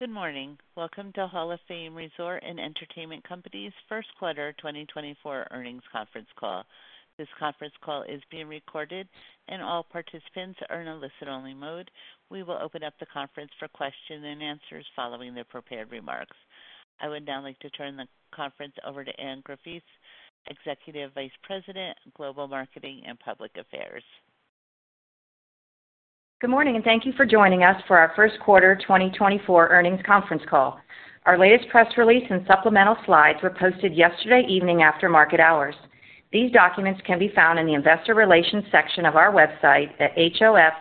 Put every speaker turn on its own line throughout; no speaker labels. Good morning. Welcome to Hall of Fame Resort & Entertainment Company's Q1 2024 Earnings Conference Call. This conference call is being recorded and all participants are in a listen-only mode. We will open up the conference for questions and answers following the prepared remarks. I would now like to turn the conference over to Anne Graffice, Executive Vice President, Global Marketing and Public Affairs.
Good morning, and thank you for joining us for our Q1 2024 earnings conference call. Our latest press release and supplemental slides were posted yesterday evening after market hours. These documents can be found in the Investor Relations section of our website at hofv.com.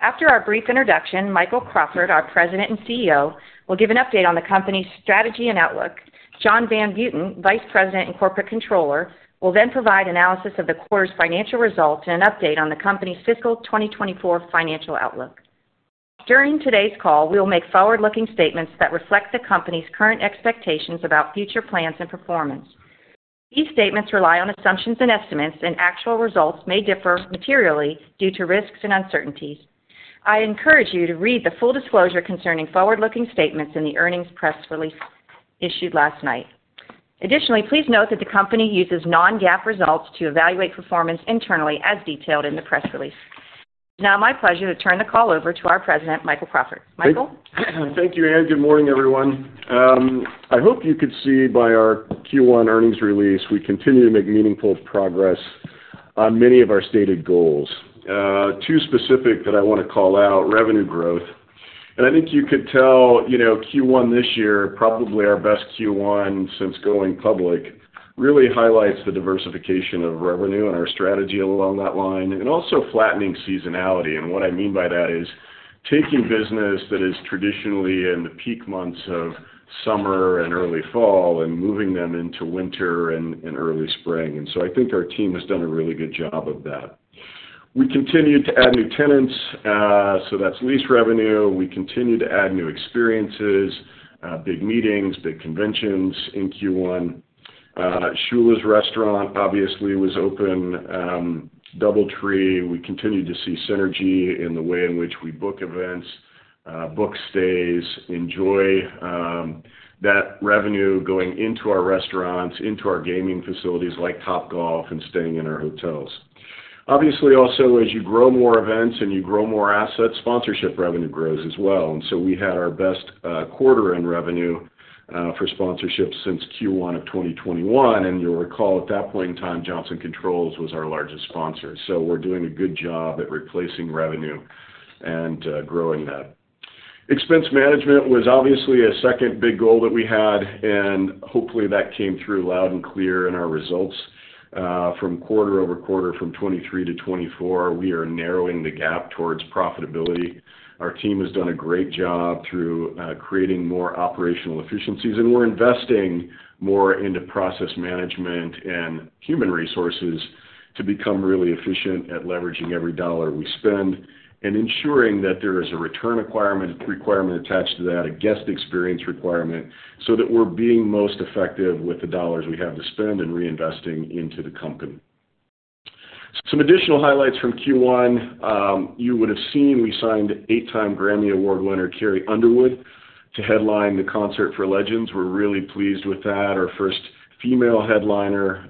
After our brief introduction, Michael Crawford, our President and CEO, will give an update on the company's strategy and outlook. John Van Buiten, Vice President and Corporate Controller, will then provide analysis of the quarter's financial results and an update on the company's fiscal 2024 financial outlook. During today's call, we will make forward-looking statements that reflect the company's current expectations about future plans and performance. These statements rely on assumptions and estimates, and actual results may differ materially due to risks and uncertainties. I encourage you to read the full disclosure concerning forward-looking statements in the earnings press release issued last night. Additionally, please note that the company uses Non-GAAP results to evaluate performance internally, as detailed in the press release. It's now my pleasure to turn the call over to our President, Michael Crawford. Michael?
Thank you, Anne. Good morning, everyone. I hope you could see by our Q1 earnings release, we continue to make meaningful progress on many of our stated goals. Two specific that I want to call out, revenue growth. And I think you could tell, you know, Q1 this year, probably our best Q1 since going public, really highlights the diversification of revenue and our strategy along that line, and also flattening seasonality. And what I mean by that is taking business that is traditionally in the peak months of summer and early fall and moving them into winter and early spring. And so I think our team has done a really good job of that. We continued to add new tenants, so that's lease revenue. We continued to add new experiences, big meetings, big conventions in Q1. Shula's restaurant, obviously, was open. DoubleTree, we continued to see synergy in the way in which we book events, book stays, enjoy that revenue going into our restaurants, into our gaming facilities like Topgolf, and staying in our hotels. Obviously, also, as you grow more events and you grow more assets, sponsorship revenue grows as well. And so we had our best quarter in revenue for sponsorships since Q1 of 2021, and you'll recall at that point in time, Johnson Controls was our largest sponsor. So we're doing a good job at replacing revenue and growing that. Expense management was obviously a second big goal that we had, and hopefully, that came through loud and clear in our results. From quarter-over-quarter, from 2023 to 2024, we are narrowing the gap towards profitability. Our team has done a great job through creating more operational efficiencies, and we're investing more into process management and human resources to become really efficient at leveraging every dollar we spend, and ensuring that there is a return requirement, requirement attached to that, a guest experience requirement, so that we're being most effective with the dollars we have to spend and reinvesting into the company. Some additional highlights from Q1. You would have seen we signed eight-time Grammy Award winner, Carrie Underwood, to headline the Concert for Legends. We're really pleased with that. Our first female headliner.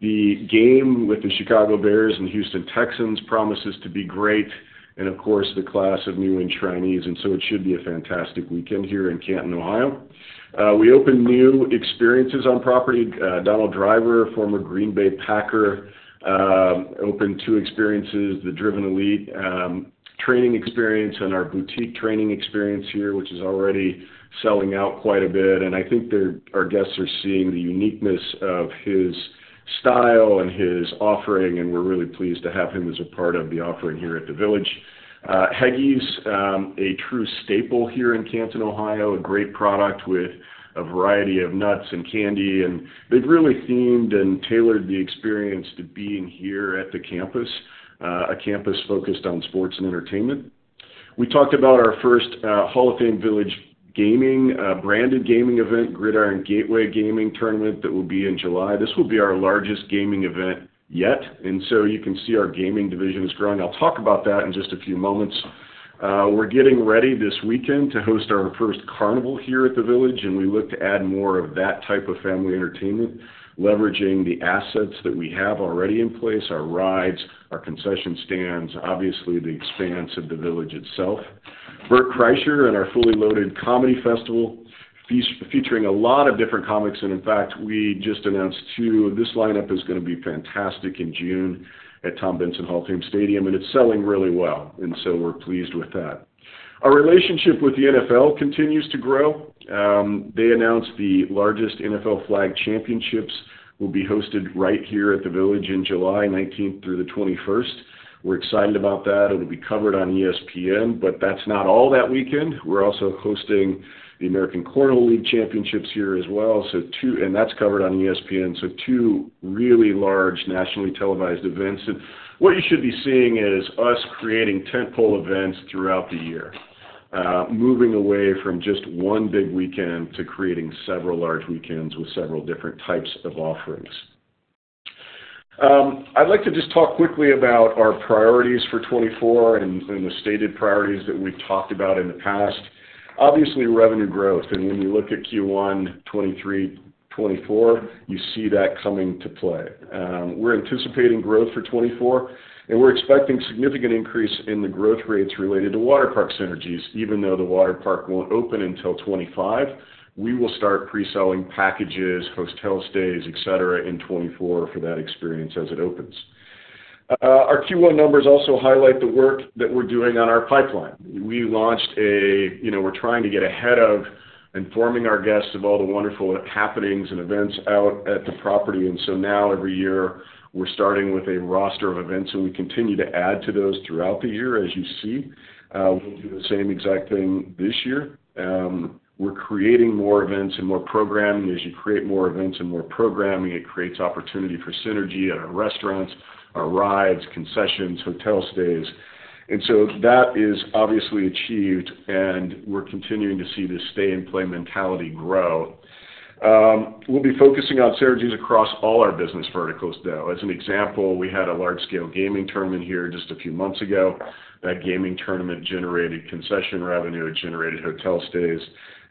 The Game with the Chicago Bears and Houston Texans promises to be great, and of course, the class of new trainees, and so it should be a fantastic weekend here in Canton, Ohio. We opened new experiences on property. Donald Driver, former Green Bay Packer, opened two experiences, the Driven Elite, training experience and our boutique training experience here, which is already selling out quite a bit. I think our guests are seeing the uniqueness of his style and his offering, and we're really pleased to have him as a part of the offering here at The Village. Heggy's, a true staple here in Canton, Ohio, a great product with a variety of nuts and candy, and they've really themed and tailored the experience to being here at the campus, a campus focused on sports and entertainment. We talked about our first, Hall of Fame Village gaming, branded gaming event, Gridiron Gateway Gaming Tournament, that will be in July. This will be our largest gaming event yet, and so you can see our gaming division is growing. I'll talk about that in just a few moments. We're getting ready this weekend to host our first carnival here at The Village, and we look to add more of that type of family entertainment, leveraging the assets that we have already in place, our rides, our concession stands, obviously, the expanse of The Village itself. Bert Kreischer and our Fully Loaded Comedy Festival, featuring a lot of different comics, and in fact, we just announced two. This lineup is going to be fantastic in June at Tom Benson Hall of Fame Stadium, and it's selling really well, and so we're pleased with that. Our relationship with the NFL continues to grow. They announced the largest NFL Flag Championships will be hosted right here at The Village in July 19 through 21st. We're excited about that. It'll be covered on ESPN, but that's not all that weekend. We're also hosting the American Cornhole League championships here as well, so two and that's covered on ESPN. So two really large nationally televised events. And what you should be seeing is us creating tentpole events throughout the year, moving away from just one big weekend to creating several large weekends with several different types of offerings. I'd like to just talk quickly about our priorities for 2024 and, and the stated priorities that we've talked about in the past. Obviously, revenue growth, and when you look at Q1 2023, 2024, you see that coming to play. We're anticipating growth for 2024, and we're expecting significant increase in the growth rates related to waterpark synergies. Even though the waterpark won't open until 2025, we will start pre-selling packages, post hotel stays, et cetera, in 2024 for that experience as it opens. Our Q1 numbers also highlight the work that we're doing on our pipeline. We launched, you know, we're trying to get ahead of informing our guests of all the wonderful happenings and events out at the property, and so now, every year, we're starting with a roster of events, and we continue to add to those throughout the year, as you see. We'll do the same exact thing this year. We're creating more events and more programming. As you create more events and more programming, it creates opportunity for synergy at our restaurants, our rides, concessions, hotel stays, and so that is obviously achieved, and we're continuing to see this stay-and-play mentality grow. We'll be focusing on synergies across all our business verticals, though. As an example, we had a large-scale gaming tournament here just a few months ago. That gaming tournament generated concession revenue, it generated hotel stays,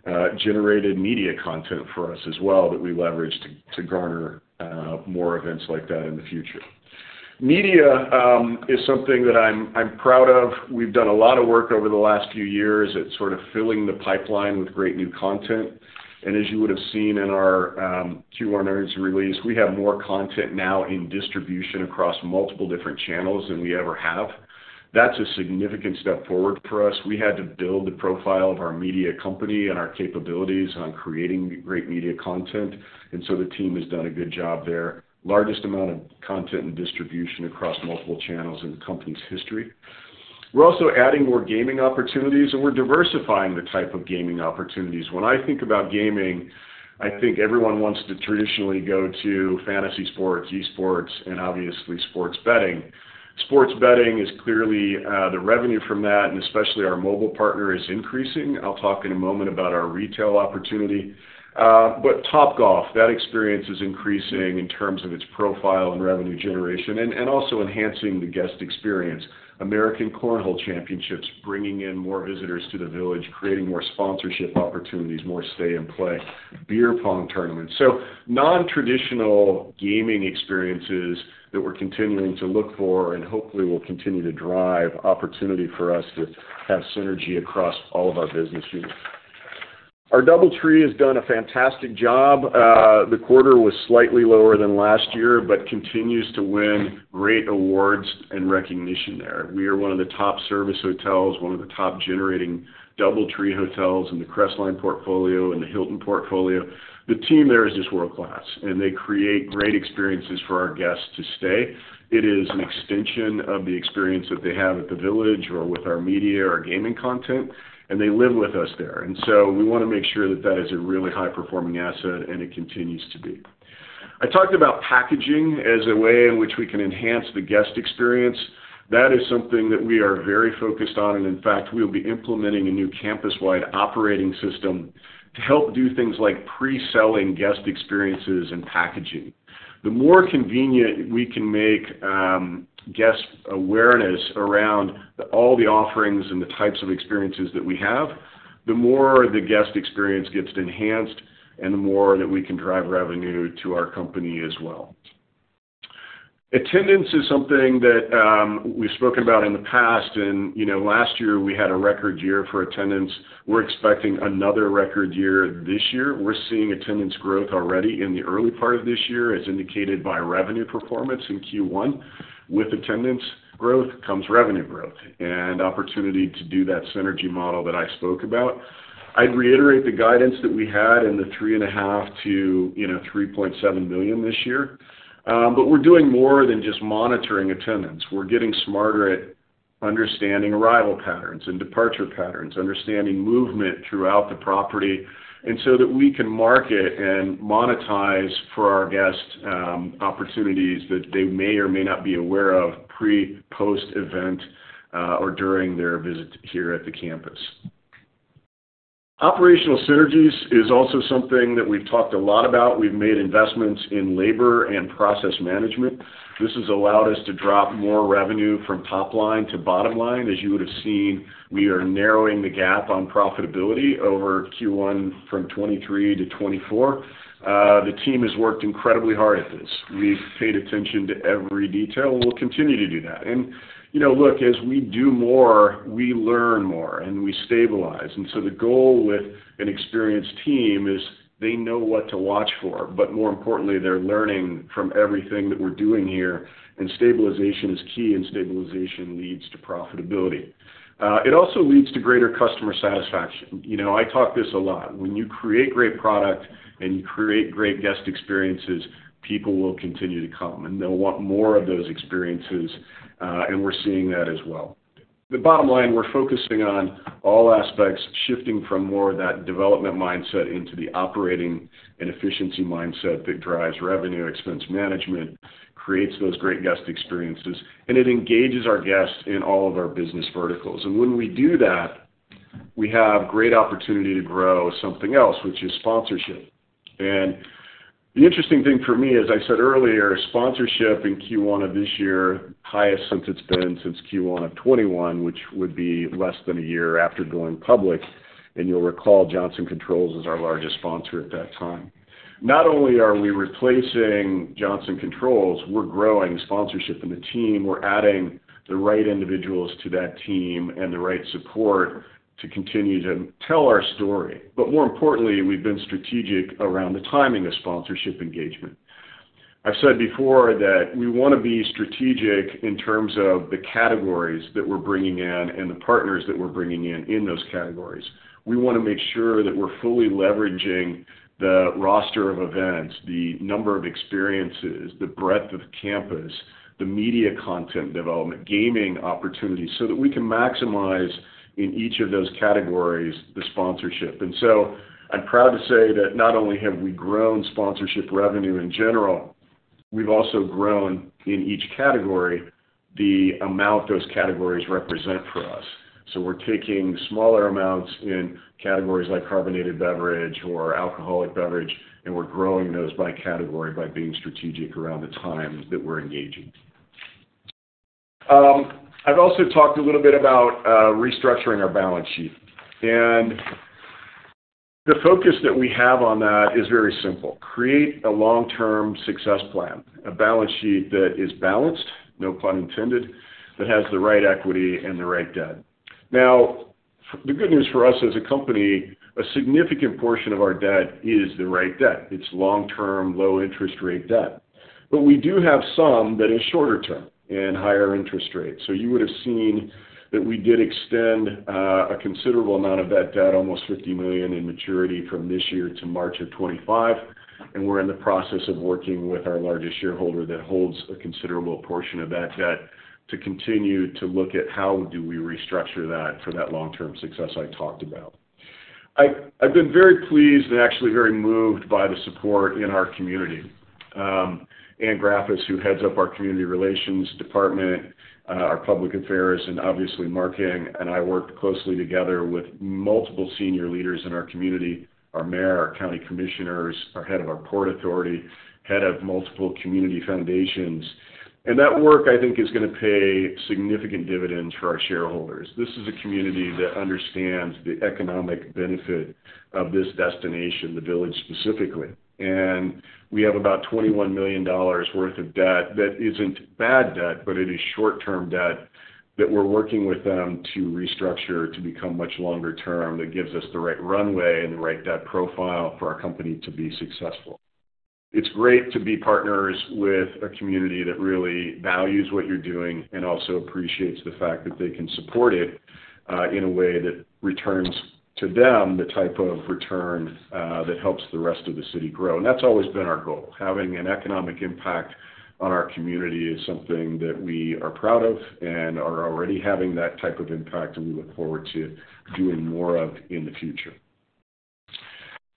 it generated media content for us as well, that we leveraged to garner more events like that in the future. Media is something that I'm proud of. We've done a lot of work over the last few years at sort of filling the pipeline with great new content, and as you would have seen in our Q1 earnings release, we have more content now in distribution across multiple different channels than we ever have. That's a significant step forward for us. We had to build the profile of our media company and our capabilities on creating great media content, and so the team has done a good job there. Largest amount of content and distribution across multiple channels in the company's history. We're also adding more gaming opportunities, and we're diversifying the type of gaming opportunities. When I think about gaming, I think everyone wants to traditionally go to fantasy sports, esports, and obviously, sports betting. Sports betting is clearly. The revenue from that, and especially our mobile partner, is increasing. I'll talk in a moment about our retail opportunity. But Topgolf, that experience is increasing in terms of its profile and revenue generation, and also enhancing the guest experience. American Cornhole Championships, bringing in more visitors to the village, creating more sponsorship opportunities, more stay and play, beer pong tournaments, so nontraditional gaming experiences that we're continuing to look for and hopefully will continue to drive opportunity for us to have synergy across all of our business units. Our DoubleTree has done a fantastic job. The quarter was slightly lower than last year, but continues to win great awards and recognition there. We are one of the top service hotels, one of the top generating DoubleTree hotels in the Crestline portfolio, in the Hilton portfolio. The team there is just world-class, and they create great experiences for our guests to stay. It is an extension of the experience that they have at the village or with our media or our gaming content, and they live with us there. And so we want to make sure that that is a really high-performing asset, and it continues to be. I talked about packaging as a way in which we can enhance the guest experience. That is something that we are very focused on, and in fact, we'll be implementing a new campus-wide operating system to help do things like pre-selling guest experiences and packaging. The more convenient we can make guest awareness around all the offerings and the types of experiences that we have, the more the guest experience gets enhanced and the more that we can drive revenue to our company as well. Attendance is something that, we've spoken about in the past and, you know, last year, we had a record year for attendance. We're expecting another record year this year. We're seeing attendance growth already in the early part of this year, as indicated by revenue performance in Q1. With attendance growth comes revenue growth and opportunity to do that synergy model that I spoke about. I'd reiterate the guidance that we had in the $3.5-$3.7 billion this year, you know, but we're doing more than just monitoring attendance. We're getting smarter at understanding arrival patterns and departure patterns, understanding movement throughout the property, and so that we can market and monetize for our guests, opportunities that they may or may not be aware of pre, post-event, or during their visit here at the campus. Operational synergies is also something that we've talked a lot about. We've made investments in labor and process management. This has allowed us to drop more revenue from top line to bottom line. As you would have seen, we are narrowing the gap on profitability over Q1 from 2023 to 2024. The team has worked incredibly hard at this. We've paid attention to every detail, and we'll continue to do that. And, you know, look, as we do more, we learn more, and we stabilize. And so the goal with an experienced team is they know what to watch for, but more importantly, they're learning from everything that we're doing here, and stabilization is key, and stabilization leads to profitability. It also leads to greater customer satisfaction. You know, I talk this a lot. When you create great product and you create great guest experiences, people will continue to come, and they'll want more of those experiences, and we're seeing that as well. The bottom line, we're focusing on all aspects, shifting from more of that development mindset into the operating and efficiency mindset that drives revenue. Expense management creates those great guest experiences, and it engages our guests in all of our business verticals. And when we do that, we have great opportunity to grow something else, which is sponsorship. And the interesting thing for me, as I said earlier, sponsorship in Q1 of this year, highest since it's been since Q1 of 2021, which would be less than a year after going public, and you'll recall Johnson Controls was our largest sponsor at that time. Not only are we replacing Johnson Controls, we're growing sponsorship in the team. We're adding the right individuals to that team and the right support to continue to tell our story. But more importantly, we've been strategic around the timing of sponsorship engagement. I've said before that we want to be strategic in terms of the categories that we're bringing in and the partners that we're bringing in, in those categories. We want to make sure that we're fully leveraging the roster of events, the number of experiences, the breadth of campus, the media content development, gaming opportunities, so that we can maximize in each of those categories, the sponsorship. And so I'm proud to say that not only have we grown sponsorship revenue in general, we've also grown in each category, the amount those categories represent for us. So we're taking smaller amounts in categories like carbonated beverage or alcoholic beverage, and we're growing those by category, by being strategic around the times that we're engaging. I've also talked a little bit about restructuring our balance sheet, and the focus that we have on that is very simple: create a long-term success plan, a balance sheet that is balanced, no pun intended, that has the right equity and the right debt. Now, the good news for us as a company, a significant portion of our debt is the right debt. It's long-term, low-interest rate debt. But we do have some that is shorter term and higher interest rate. So you would have seen that we did extend a considerable amount of that debt, almost $50 million in maturity from this year to March of 2025, and we're in the process of working with our largest shareholder that holds a considerable portion of that debt, to continue to look at how do we restructure that for that long-term success I talked about. I've been very pleased and actually very moved by the support in our community. Anne Graffice, who heads up our Community Relations Department, our Public Affairs, and obviously, Marketing, and I worked closely together with multiple senior leaders in our community, our mayor, our county commissioners, our head of our Port Authority, head of multiple community foundations. That work, I think, is going to pay significant dividends for our shareholders. This is a community that understands the economic benefit of this destination, the village, specifically. We have about $21 million worth of debt that isn't bad debt, but it is short-term debt that we're working with them to restructure to become much longer term. That gives us the right runway and the right debt profile for our company to be successful. It's great to be partners with a community that really values what you're doing and also appreciates the fact that they can support it in a way that returns to them the type of return that helps the rest of the city grow. That's always been our goal. Having an economic impact on our community is something that we are proud of and are already having that type of impact, and we look forward to doing more of in the future.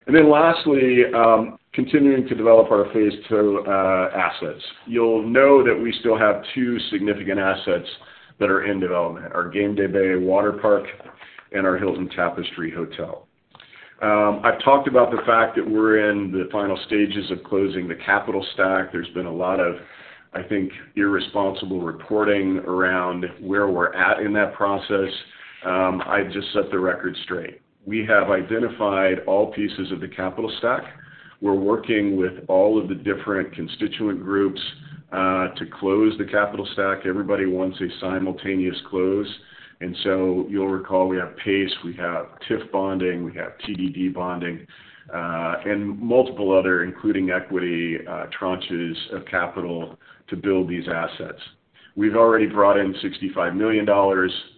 Then lastly, continuing to develop our phase two assets. You'll know that we still have two significant assets that are in development, our Gameday Bay Waterpark and our Hilton Tapestry Hotel. I've talked about the fact that we're in the final stages of closing the capital stack. There's been a lot of, I think, irresponsible reporting around where we're at in that process. I just set the record straight. We have identified all pieces of the capital stack. We're working with all of the different constituent groups to close the capital stack. Everybody wants a simultaneous close, and so you'll recall we have PACE, we have TIF bonding, we have TDD bonding, and multiple other, including equity, tranches of capital to build these assets. We've already brought in $65 million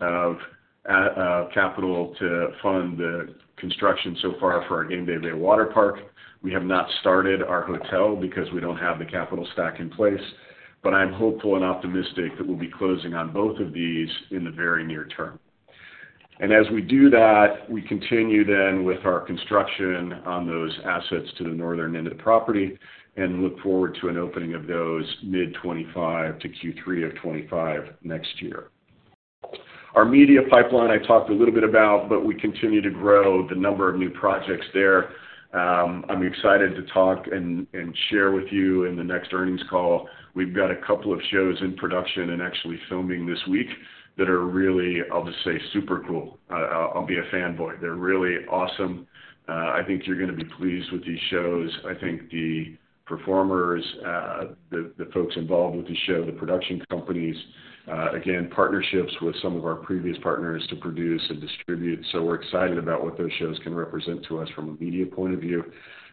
of capital to fund the construction so far for our Gameday Bay Waterpark. We have not started our hotel because we don't have the capital stack in place, but I'm hopeful and optimistic that we'll be closing on both of these in the very near term. And as we do that, we continue then with our construction on those assets to the northern end of the property and look forward to an opening of those mid 2025 to Q3 of 2025 next year. Our media pipeline, I talked a little bit about, but we continue to grow the number of new projects there. I'm excited to talk and share with you in the next earnings call. We've got a couple of shows in production and actually filming this week that are really, I'll just say, super cool. I'll be a fanboy. They're really awesome. I think you're going to be pleased with these shows. I think the performers, the folks involved with the show, the production companies, again, partnerships with some of our previous partners to produce and distribute. So we're excited about what those shows can represent to us from a media point of view.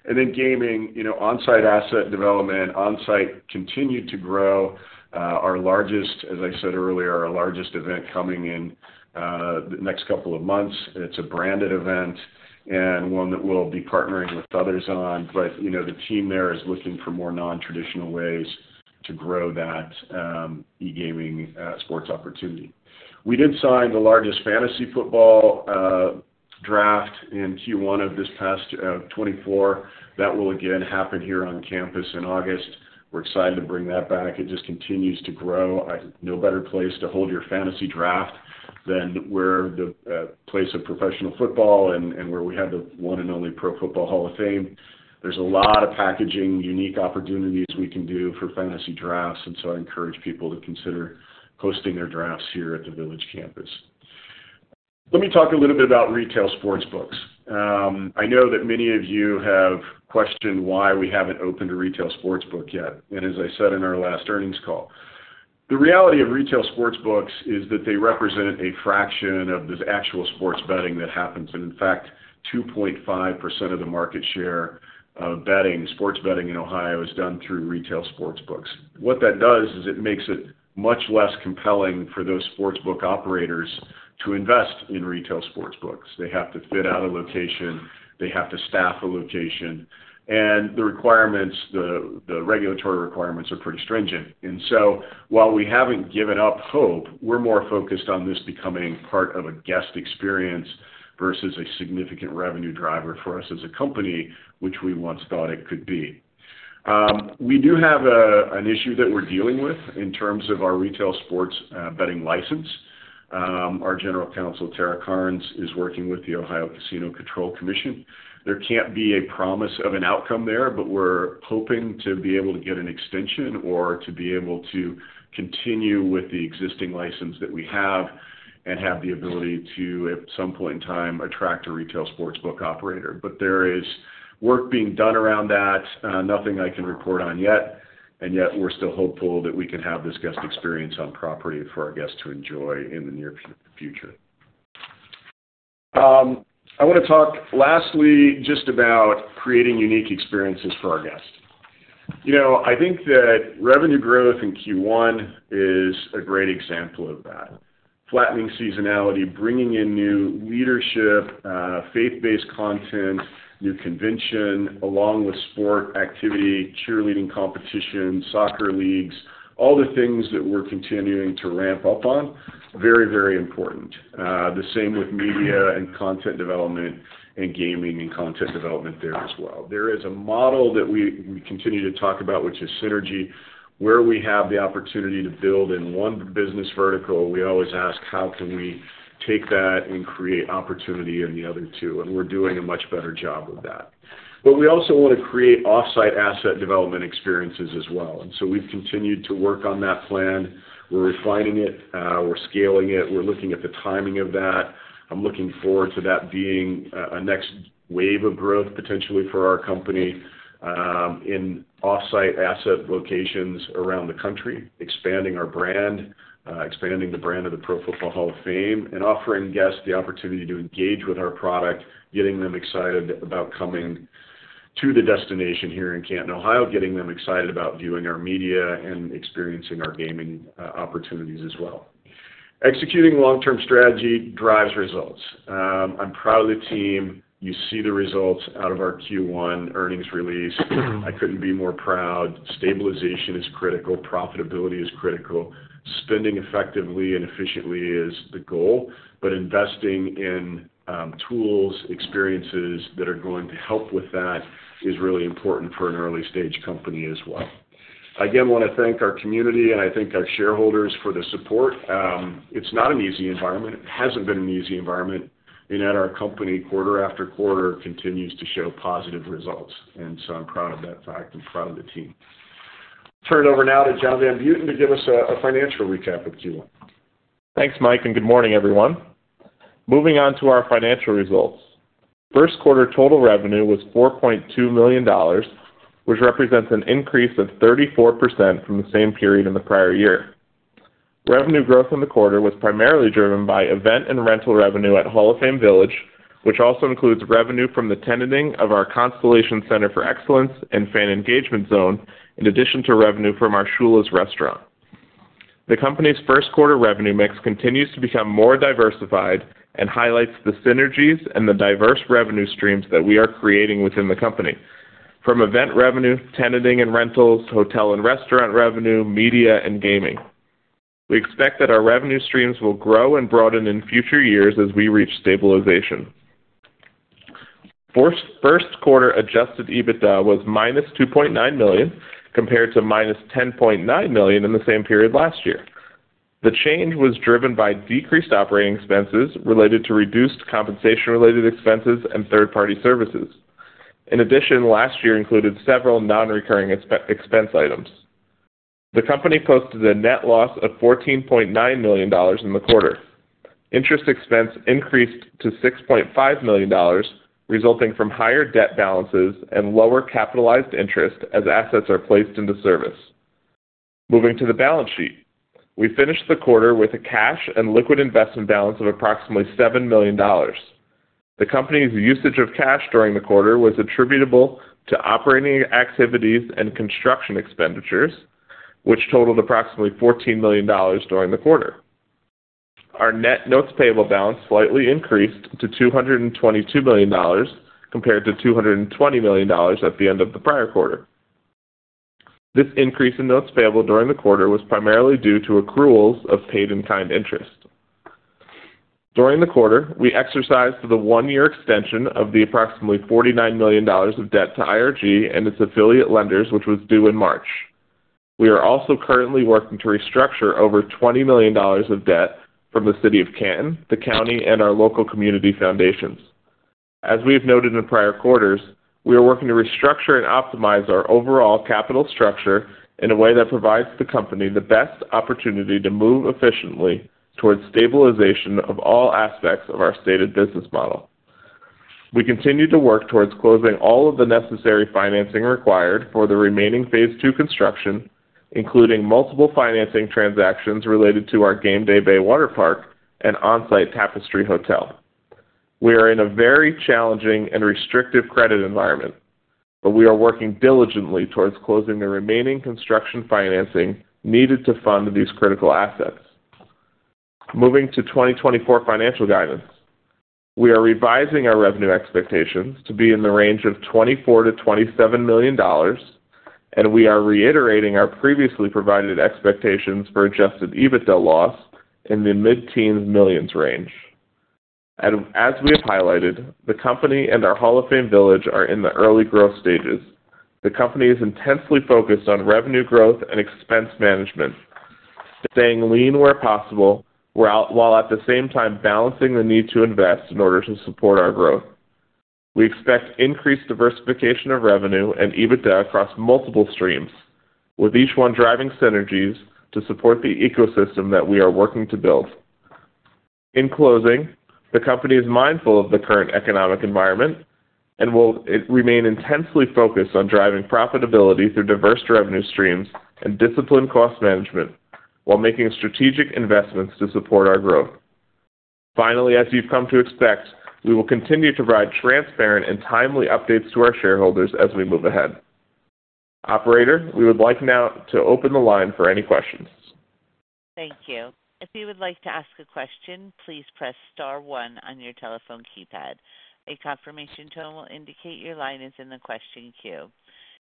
And then gaming, you know, on-site asset development. On-site continued to grow. Our largest... as I said earlier, our largest event coming in, the next couple of months. It's a branded event and one that we'll be partnering with others on. But, you know, the team there is looking for more non-traditional ways to grow that, e-gaming, sports opportunity. We did sign the largest fantasy football, draft in Q1 of this past, 2024. That will again happen here on campus in August. We're excited to bring that back. It just continues to grow. No better place to hold your fantasy draft than we're the, place of professional football and, and where we have the one and only Pro Football Hall of Fame. There's a lot of packaging, unique opportunities we can do for fantasy drafts, and so I encourage people to consider hosting their drafts here at the Village Campus. Let me talk a little bit about retail sports books. I know that many of you have questioned why we haven't opened a retail sports book yet, and as I said in our last earnings call, the reality of retail sports books is that they represent a fraction of the actual sports betting that happens, and in fact, 2.5% of the market share of betting, sports betting in Ohio is done through retail sports books. What that does is it makes it much less compelling for those sports book operators to invest in retail sports books. They have to fit out a location, they have to staff a location, and the requirements, the regulatory requirements are pretty stringent. And so while we haven't given up hope, we're more focused on this becoming part of a guest experience versus a significant revenue driver for us as a company, which we once thought it could be. We do have an issue that we're dealing with in terms of our retail sports betting license. Our General Counsel, Tara Charnes, is working with the Ohio Casino Control Commission. There can't be a promise of an outcome there, but we're hoping to be able to get an extension or to be able to continue with the existing license that we have, and have the ability to, at some point in time, attract a retail sports book operator. There is work being done around that, nothing I can report on yet, and yet we're still hopeful that we can have this guest experience on property for our guests to enjoy in the near future. I wanna talk lastly, just about creating unique experiences for our guests. You know, I think that revenue growth in Q1 is a great example of that. Flattening seasonality, bringing in new leadership, faith-based content, new convention, along with sport activity, cheerleading competition, soccer leagues, all the things that we're continuing to ramp up on, very, very important. The same with media and content development and gaming and content development there as well. There is a model that we continue to talk about, which is synergy, where we have the opportunity to build in one business vertical, we always ask: How can we take that and create opportunity in the other two? And we're doing a much better job of that. But we also want to create off-site asset development experiences as well, and so we've continued to work on that plan. We're refining it, we're scaling it, we're looking at the timing of that. I'm looking forward to that being a next wave of growth, potentially for our company, in off-site asset locations around the country, expanding our brand, expanding the brand of the Pro Football Hall of Fame, and offering guests the opportunity to engage with our product, getting them excited about coming to the destination here in Canton, Ohio, getting them excited about viewing our media and experiencing our gaming opportunities as well. Executing long-term strategy drives results. I'm proud of the team. You see the results out of our Q1 earnings release. I couldn't be more proud. Stabilization is critical, profitability is critical. Spending effectively and efficiently is the goal, but investing in tools, experiences that are going to help with that, is really important for an early-stage company as well. Again, I wanna thank our community, and I thank our shareholders for the support. It's not an easy environment. It hasn't been an easy environment, and yet our company, quarter after quarter, continues to show positive results, and so I'm proud of that fact and proud of the team. Turn it over now to John Van Buiten to give us a financial recap of Q1.
Thanks, Mike, and good morning, everyone. Moving on to our financial results. Q1 total revenue was $4.2 million, which represents an increase of 34% from the same period in the prior year. Revenue growth in the quarter was primarily driven by event and rental revenue at Hall of Fame Village, which also includes revenue from the tenanting of our Constellation Center for Excellence and Fan Engagement Zone, in addition to revenue from our Shula's restaurant. The company's Q1 revenue mix continues to become more diversified and highlights the synergies and the diverse revenue streams that we are creating within the company, from event revenue, tenanting and rentals, hotel and restaurant revenue, media, and gaming. We expect that our revenue streams will grow and broaden in future years as we reach stabilization. Q1 Adjusted EBITDA was -$2.9 million, compared to -$10.9 million in the same period last year. The change was driven by decreased operating expenses related to reduced compensation related expenses and third-party services. In addition, last year included several non-recurring expense items. The company posted a net loss of $14.9 million in the quarter. Interest expense increased to $6.5 million, resulting from higher debt balances and lower capitalized interest as assets are placed into service. Moving to the balance sheet. We finished the quarter with a cash and liquid investment balance of approximately $7 million. The company's usage of cash during the quarter was attributable to operating activities and construction expenditures, which totaled approximately $14 million during the quarter. Our net notes payable balance slightly increased to $222 million, compared to $220 million at the end of the prior quarter. This increase in notes payable during the quarter was primarily due to accruals of paid-in-kind interest. During the quarter, we exercised the one-year extension of the approximately $49 million of debt to IRG and its affiliate lenders, which was due in March.... We are also currently working to restructure over $20 million of debt from the city of Canton, the county, and our local community foundations. As we have noted in prior quarters, we are working to restructure and optimize our overall capital structure in a way that provides the company the best opportunity to move efficiently towards stabilization of all aspects of our stated business model. We continue to work towards closing all of the necessary financing required for the remaining phase two construction, including multiple financing transactions related to our Gameday Bay Waterpark and on-site Tapestry Hotel. We are in a very challenging and restrictive credit environment, but we are working diligently towards closing the remaining construction financing needed to fund these critical assets. Moving to 2024 financial guidance. We are revising our revenue expectations to be in the range of $24 million-$27 million, and we are reiterating our previously provided expectations for Adjusted EBITDA loss in the mid-teen millions range. As we have highlighted, the company and our Hall of Fame Village are in the early growth stages. The company is intensely focused on revenue growth and expense management, staying lean where possible, while at the same time balancing the need to invest in order to support our growth. We expect increased diversification of revenue and EBITDA across multiple streams, with each one driving synergies to support the ecosystem that we are working to build. In closing, the company is mindful of the current economic environment and will remain intensely focused on driving profitability through diverse revenue streams and disciplined cost management while making strategic investments to support our growth. Finally, as you've come to expect, we will continue to provide transparent and timely updates to our shareholders as we move ahead. Operator, we would like now to open the line for any questions.
Thank you. If you would like to ask a question, please press star one on your telephone keypad. A confirmation tone will indicate your line is in the question queue.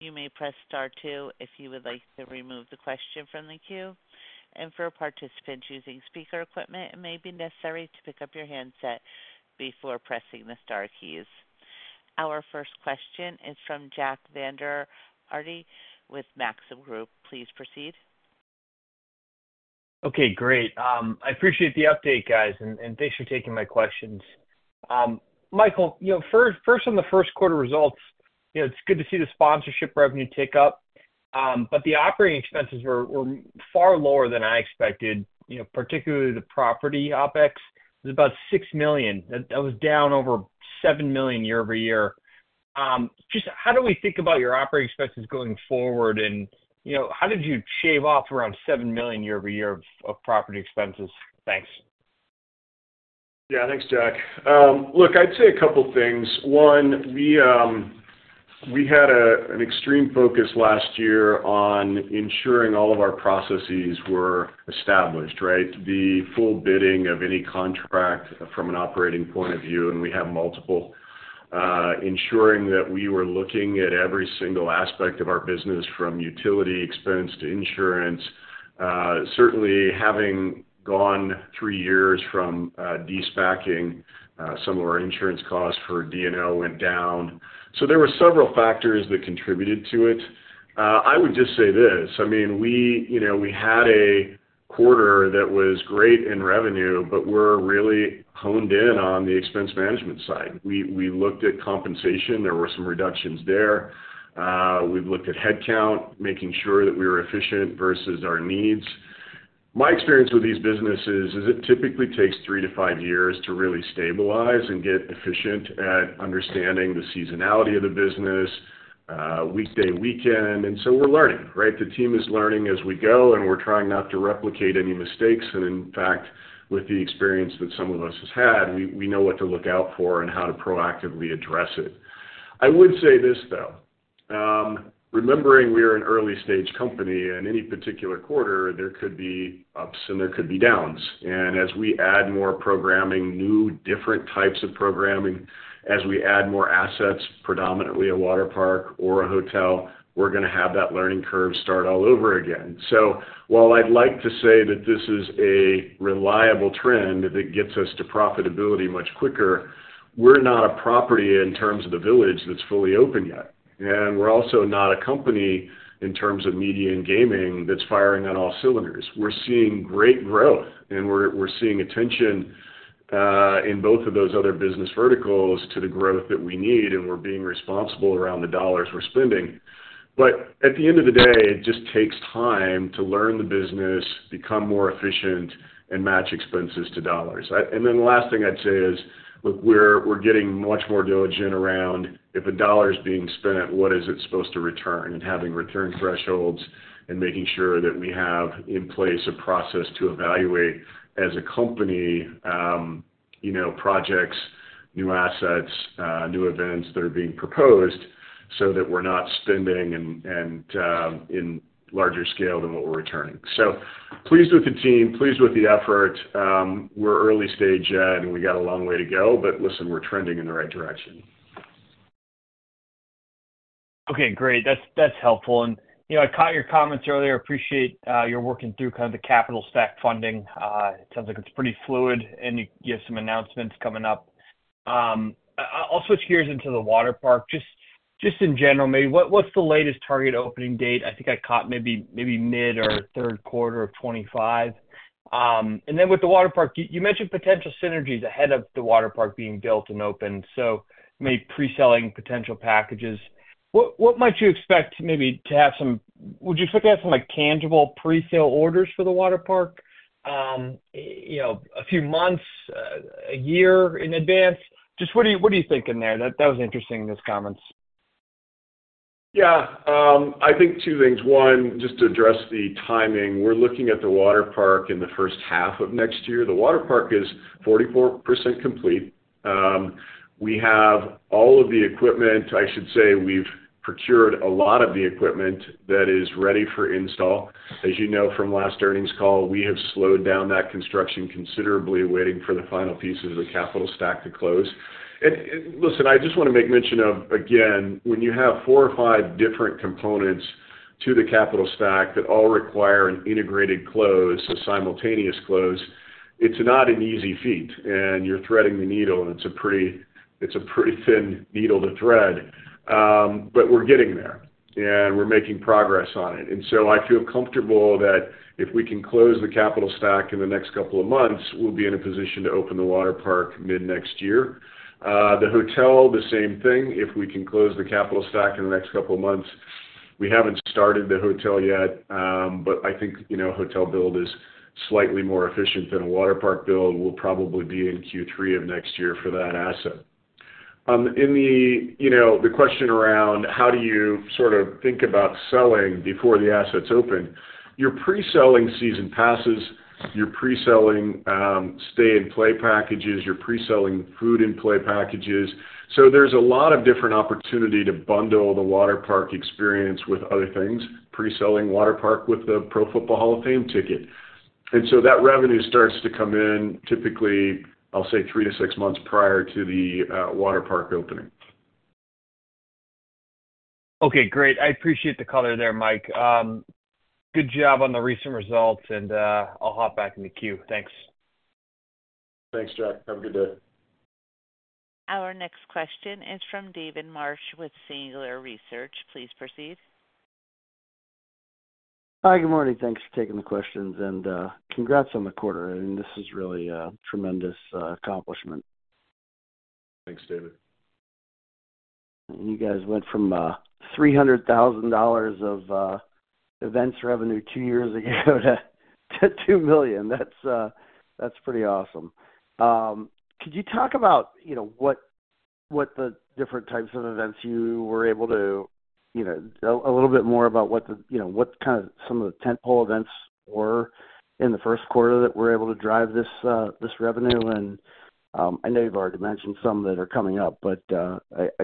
You may press star two if you would like to remove the question from the queue, and for a participant choosing speaker equipment, it may be necessary to pick up your handset before pressing the star keys. Our first question is from Jack Vander Aarde with Maxim Group. Please proceed.
Okay, great. I appreciate the update, guys, and thanks for taking my questions. Michael, you know, first on the Q1 results, you know, it's good to see the sponsorship revenue tick up, but the operating expenses were far lower than I expected, you know, particularly the property OpEx. It was about $6 million. That was down over $7 million year-over-year. Just how do we think about your operating expenses going forward? And, you know, how did you shave off around $7 million year-over-year of property expenses? Thanks.
Yeah, thanks, Jack. Look, I'd say a couple things. One, we had an extreme focus last year on ensuring all of our processes were established, right? The full bidding of any contract from an operating point of view, and we have multiple, ensuring that we were looking at every single aspect of our business, from utility expense to insurance. Certainly, having gone 3 years from de-SPA, some of our insurance costs for DNO went down. So there were several factors that contributed to it. I would just say this: I mean, you know, we had a quarter that was great in revenue, but we're really honed in on the expense management side. We looked at compensation. There were some reductions there. We've looked at headcount, making sure that we were efficient versus our needs. My experience with these businesses is it typically takes 3-5 years to really stabilize and get efficient at understanding the seasonality of the business, weekday, weekend, and so we're learning, right? The team is learning as we go, and we're trying not to replicate any mistakes, and in fact, with the experience that some of us has had, we know what to look out for and how to proactively address it. I would say this, though. Remembering we're an early-stage company, in any particular quarter, there could be ups and there could be downs, and as we add more programming, new, different types of programming, as we add more assets, predominantly a waterpark or a hotel, we're gonna have that learning curve start all over again. So while I'd like to say that this is a reliable trend that gets us to profitability much quicker, we're not a property in terms of the village that's fully open yet, and we're also not a company in terms of media and gaming, that's firing on all cylinders. We're seeing great growth, and we're seeing attention in both of those other business verticals to the growth that we need, and we're being responsible around the dollars we're spending. But at the end of the day, it just takes time to learn the business, become more efficient, and match expenses to dollars. And then the last thing I'd say is, look, we're getting much more diligent around if a dollar is being spent, what is it supposed to return? Having return thresholds and making sure that we have in place a process to evaluate as a company, you know, projects, new assets, new events that are being proposed so that we're not spending in larger scale than what we're returning. Pleased with the team, pleased with the effort. We're early stage, and we got a long way to go, but listen, we're trending in the right direction.
Okay, great. That's, that's helpful. And, you know, I caught your comments earlier. I appreciate, you're working through kind of the capital stack funding. It sounds like it's pretty fluid, and you have some announcements coming up. I'll switch gears into the water park. Just, just in general, maybe, what, what's the latest target opening date? I think I caught maybe, maybe mid or third quarter of 2025. And then with the water park, you, you mentioned potential synergies ahead of the water park being built and opened, so maybe pre-selling potential packages. What, what might you expect maybe to have some, would you expect to have some, like, tangible presale orders for the water park, you know, a few months, a year in advance? Just what are you, what are you thinking there? That, that was interesting in those comments.
Yeah. I think two things. One, just to address the timing. We're looking at the water park in the first half of next year. The water park is 44% complete. We have all of the equipment... I should say we've procured a lot of the equipment that is ready for install. As you know from last earnings call, we have slowed down that construction considerably, waiting for the final piece of the capital stack to close. And, listen, I just wanna make mention of, again, when you have four or five different components to the capital stack that all require an integrated close, a simultaneous close, it's not an easy feat, and you're threading the needle, and it's a pretty thin needle to thread. But we're getting there, and we're making progress on it. And so I feel comfortable that if we can close the capital stack in the next couple of months, we'll be in a position to open the waterpark mid-next year. The hotel, the same thing. If we can close the capital stack in the next couple of months, we haven't started the hotel yet, but I think, you know, hotel build is slightly more efficient than a waterpark build. We'll probably be in Q3 of next year for that asset. In the, you know, the question around how do you sort of think about selling before the assets open? You're pre-selling season passes, you're pre-selling, stay-and-play packages, you're pre-selling food-and-play packages. So there's a lot of different opportunity to bundle the water park experience with other things, pre-selling water park with the Pro Football Hall of Fame ticket. And so that revenue starts to come in, typically, I'll say 3-6 months prior to the water park opening.
Okay, great. I appreciate the color there, Mike. Good job on the recent results, and I'll hop back in the queue. Thanks.
Thanks, Jack. Have a good day.
Our next question is from David Marsh with Singular Research. Please proceed.
Hi, good morning. Thanks for taking the questions, and, congrats on the quarter. I mean, this is really a tremendous accomplishment.
Thanks, David.
You guys went from $300,000 of events revenue two years ago to $2 million. That's pretty awesome. Could you talk about, you know, what the different types of events you were able to, you know, a little bit more about what the, you know, what kind of some of the tentpole events were in the Q1 that were able to drive this revenue? And I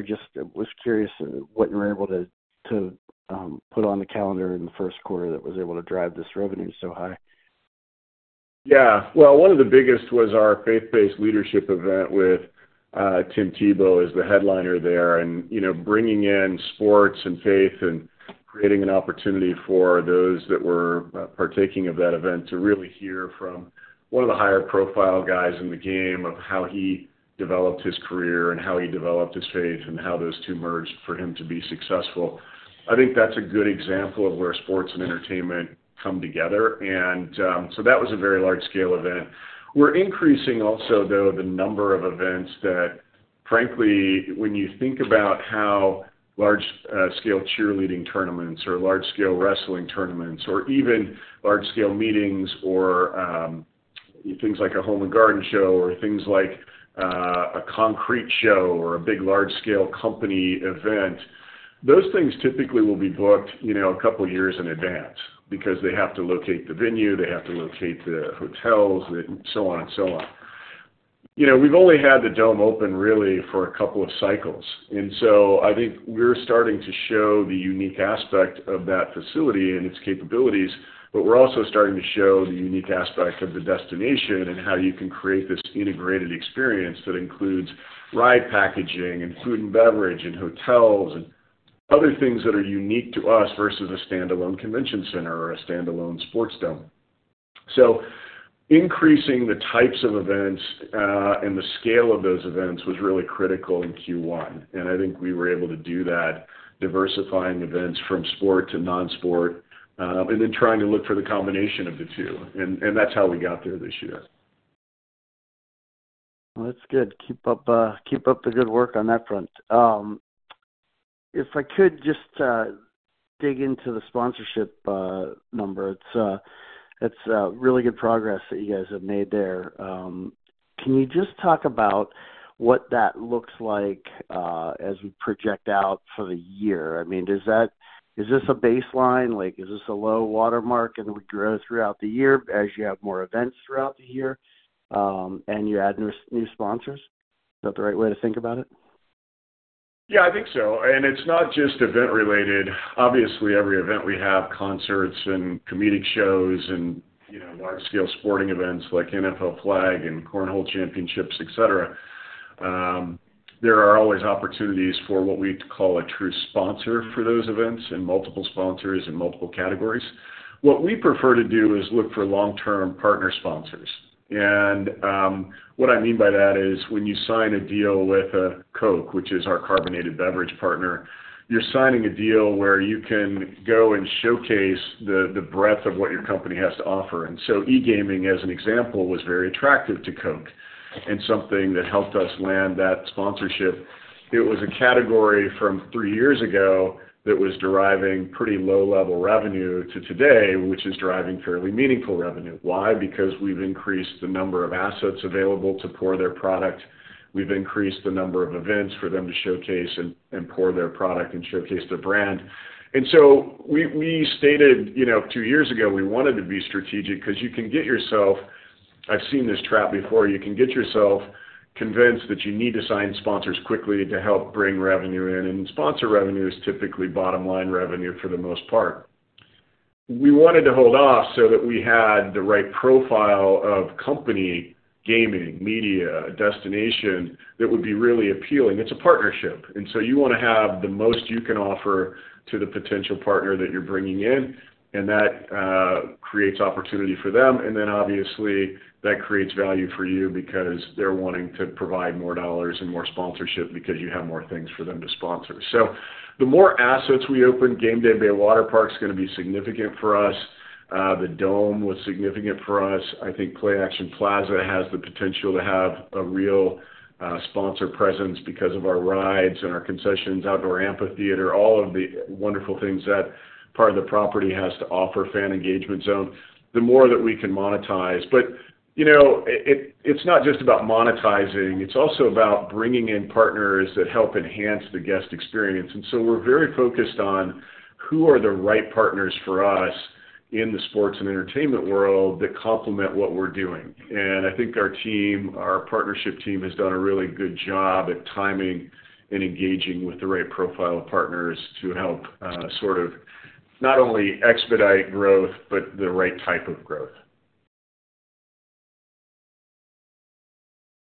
just was curious what you were able to to put on the calendar in the Q1 that was able to drive this revenue so high.
Yeah. Well, one of the biggest was our faith-based leadership event with, Tim Tebow as the headliner there, and, you know, bringing in sports and faith and creating an opportunity for those that were, partaking of that event to really hear from one of the higher profile guys in the game of how he developed his career and how he developed his faith and how those two merged for him to be successful. I think that's a good example of where sports and entertainment come together, and, so that was a very large-scale event. We're increasing also, though, the number of events that, frankly, when you think about how large scale cheerleading tournaments or large-scale wrestling tournaments or even large-scale meetings or things like a home and garden show or things like a concrete show or a big, large-scale company event, those things typically will be booked, you know, a couple years in advance because they have to locate the venue, they have to locate the hotels, and so on and so on. You know, we've only had the dome open really for a couple of cycles, and so I think we're starting to show the unique aspect of that facility and its capabilities, but we're also starting to show the unique aspect of the destination and how you can create this integrated experience that includes ride packaging and food and beverage and hotels and other things that are unique to us versus a standalone convention center or a standalone sports dome. So increasing the types of events and the scale of those events was really critical in Q1, and I think we were able to do that, diversifying events from sport to non-sport, and then trying to look for the combination of the two. And that's how we got there this year.
Well, that's good. Keep up, keep up the good work on that front. If I could just dig into the sponsorship number. It's, it's really good progress that you guys have made there. Can you just talk about what that looks like as we project out for the year? I mean, does that-- is this a baseline? Like, is this a low water mark, and it would grow throughout the year as you have more events throughout the year, and you add new, new sponsors? Is that the right way to think about it?
Yeah, I think so. And it's not just event related. Obviously, every event we have, concerts and comedic shows and, you know, large-scale sporting events like NFL Flag and Cornhole Championships, et cetera, there are always opportunities for what we call a true sponsor for those events and multiple sponsors in multiple categories. What we prefer to do is look for long-term partner sponsors. And, what I mean by that is, when you sign a deal with a Coke, which is our carbonated beverage partner, you're signing a deal where you can go and showcase the breadth of what your company has to offer. And so e-gaming, as an example, was very attractive to Coke and something that helped us land that sponsorship. It was a category from three years ago that was deriving pretty low-level revenue to today, which is deriving fairly meaningful revenue. Why? Because we've increased the number of assets available to pour their product. We've increased the number of events for them to showcase and pour their product and showcase their brand. And so we stated, you know, two years ago, we wanted to be strategic 'cause you can get yourself, I've seen this trap before, you can get yourself convinced that you need to sign sponsors quickly to help bring revenue in, and sponsor revenue is typically bottom-line revenue for the most part. We wanted to hold off so that we had the right profile of company, gaming, media, destination, that would be really appealing. It's a partnership, and so you wanna have the most you can offer to the potential partner that you're bringing in, and that creates opportunity for them. And then, obviously, that creates value for you because they're wanting to provide more dollars and more sponsorship because you have more things for them to sponsor. So the more assets we open, Gameday Bay Waterpark is gonna be significant for us. The Dome was significant for us. I think Play-Action Plaza has the potential to have a real, sponsor presence because of our rides and our concessions, outdoor amphitheater, all of the wonderful things that part of the property has to offer, Fan Engagement Zone, the more that we can monetize. But, you know, it's not just about monetizing, it's also about bringing in partners that help enhance the guest experience. And so we're very focused on who are the right partners for us in the sports and entertainment world that complement what we're doing. I think our team, our partnership team, has done a really good job at timing and engaging with the right profile of partners to help, sort of not only expedite growth, but the right type of growth.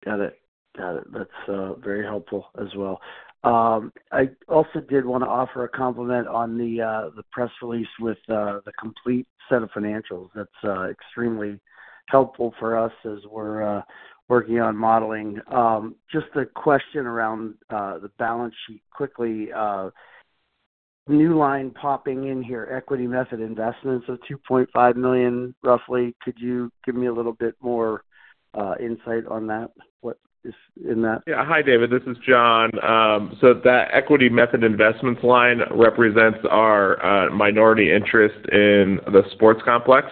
Got it. Got it. That's very helpful as well. I also did wanna offer a compliment on the press release with the complete set of financials. That's extremely helpful for us as we're working on modeling. Just a question around the balance sheet quickly. New line popping in here, equity method investments of $2.5 million, roughly. Could you give me a little bit more insight on that? What is in that?
Yeah. Hi, David, this is John. So that equity method investments line represents our minority interest in the sports complex.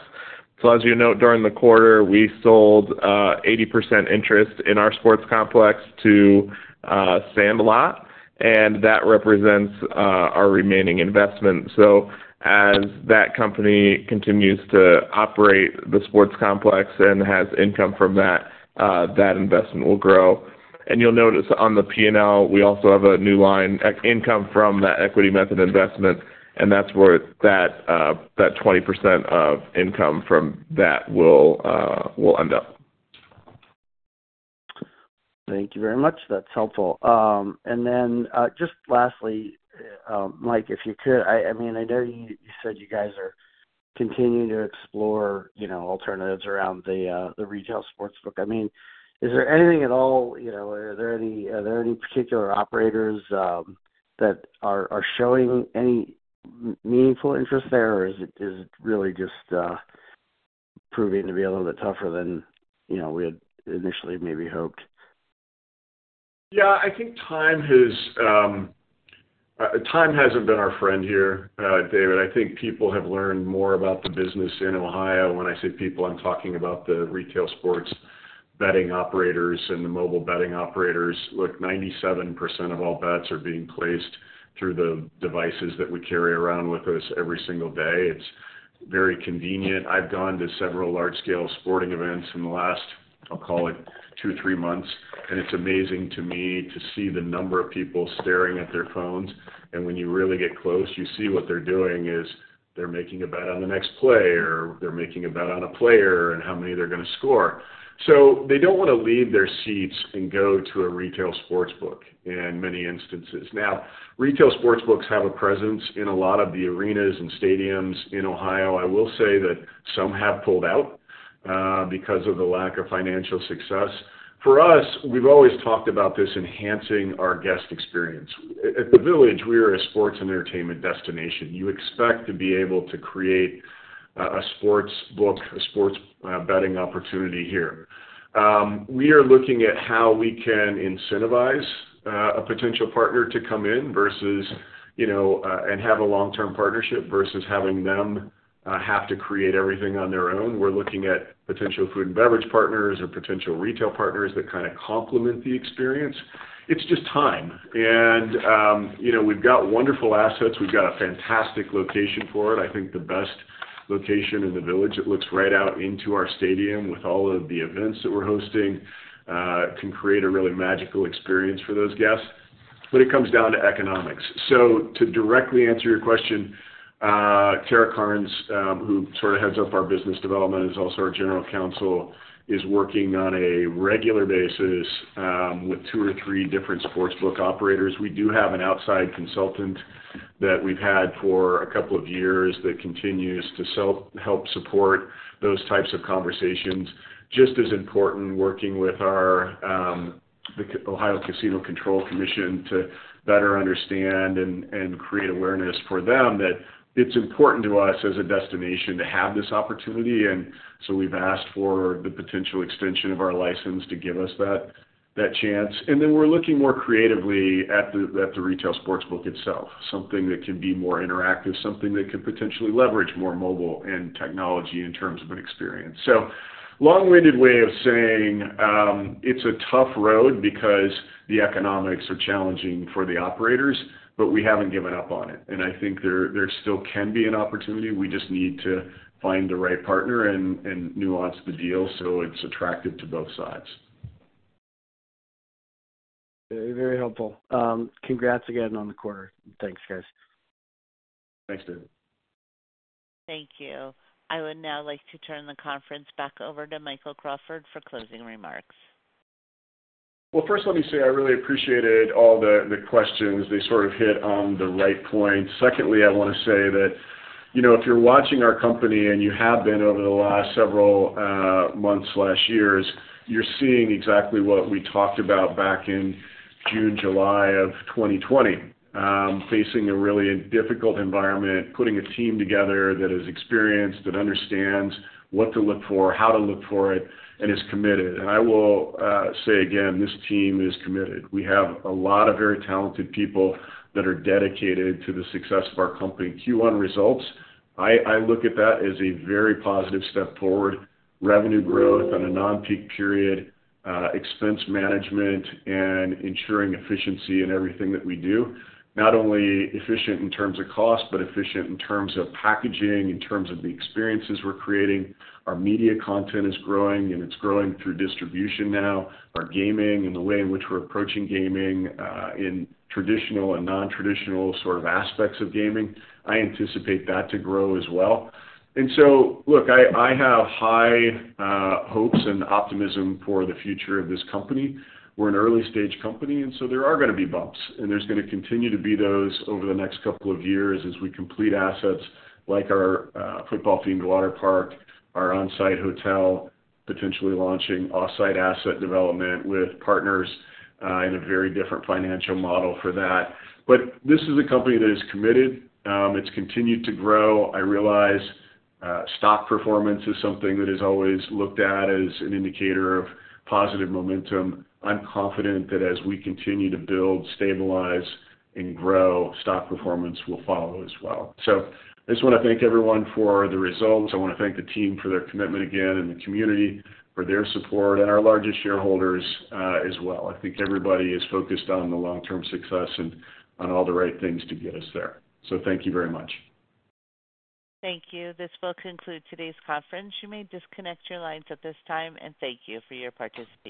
So as you note, during the quarter, we sold 80% interest in our sports complex to Sandlot, and that represents our remaining investment. So as that company continues to operate the sports complex and has income from that, that investment will grow. And you'll notice on the P&L, we also have a new line, income from that equity method investment, and that's where that 20% of income from that will end up.
Thank you very much. That's helpful. And then, just lastly, Mike, if you could, I mean, I know you said you guys are continuing to explore, you know, alternatives around the retail sportsbook. I mean, is there anything at all, you know, are there any particular operators that are showing any meaningful interest there? Or is it really just proving to be a little bit tougher than, you know, we had initially maybe hoped?
Yeah, I think time hasn't been our friend here, David. I think people have learned more about the business in Ohio. When I say people, I'm talking about the retail sports betting operators and the mobile betting operators. Look, 97% of all bets are being placed through the devices that we carry around with us every single day. It's very convenient. I've gone to several large-scale sporting events in the last, I'll call it two, three months, and it's amazing to me to see the number of people staring at their phones. And when you really get close, you see what they're doing is they're making a bet on the next play, or they're making a bet on a player and how many they're gonna score. So they don't wanna leave their seats and go to a retail sportsbook in many instances. Now, retail sportsbooks have a presence in a lot of the arenas and stadiums in Ohio. I will say that some have pulled out because of the lack of financial success. For us, we've always talked about this enhancing our guest experience. At the Village, we are a sports and entertainment destination. You expect to be able to create a sportsbook, a sports betting opportunity here. We are looking at how we can incentivize a potential partner to come in versus, you know, and have a long-term partnership versus having them have to create everything on their own. We're looking at potential food and beverage partners or potential retail partners that kind of complement the experience. It's just time. You know, we've got wonderful assets. We've got a fantastic location for it. I think the best location in the Village. It looks right out into our stadium with all of the events that we're hosting, can create a really magical experience for those guests, but it comes down to economics. So to directly answer your question, Tara Karns, who sort of heads up our business development, is also our general counsel, is working on a regular basis, with two or three different sportsbook operators. We do have an outside consultant that we've had for a couple of years that continues to help support those types of conversations. Just as important, working with our, the Ohio Casino Control Commission to better understand and create awareness for them, that it's important to us as a destination to have this opportunity. And so we've asked for the potential extension of our license to give us that chance. And then we're looking more creatively at the retail sports book itself, something that can be more interactive, something that could potentially leverage more mobile and technology in terms of an experience. So long-winded way of saying, it's a tough road because the economics are challenging for the operators, but we haven't given up on it, and I think there still can be an opportunity. We just need to find the right partner and nuance the deal so it's attractive to both sides.
Very helpful. Congrats again on the quarter. Thanks, guys.
Thanks, David.
Thank you. I would now like to turn the conference back over to Michael Crawford for closing remarks.
Well, first, let me say I really appreciated all the questions. They sort of hit on the right points. Secondly, I want to say that, you know, if you're watching our company and you have been over the last several months or years, you're seeing exactly what we talked about back in June, July of 2020. Facing a really difficult environment, putting a team together that is experienced, that understands what to look for, how to look for it, and is committed. I will say again, this team is committed. We have a lot of very talented people that are dedicated to the success of our company. Q1 results, I look at that as a very positive step forward. Revenue growth on a non-peak period, expense management and ensuring efficiency in everything that we do. Not only efficient in terms of cost, but efficient in terms of packaging, in terms of the experiences we're creating. Our media content is growing, and it's growing through distribution now. Our gaming and the way in which we're approaching gaming in traditional and non-traditional sort of aspects of gaming, I anticipate that to grow as well. And so look, I have high hopes and optimism for the future of this company. We're an early-stage company, and so there are going to be bumps, and there's going to continue to be those over the next couple of years as we complete assets like our football-themed water park, our on-site hotel, potentially launching off-site asset development with partners in a very different financial model for that. But this is a company that is committed. It's continued to grow. I realize, stock performance is something that is always looked at as an indicator of positive momentum. I'm confident that as we continue to build, stabilize, and grow, stock performance will follow as well. I just want to thank everyone for the results. I want to thank the team for their commitment again, and the community for their support, and our largest shareholders, as well. I think everybody is focused on the long-term success and on all the right things to get us there. Thank you very much.
Thank you. This will conclude today's conference. You may disconnect your lines at this time, and thank you for your participation.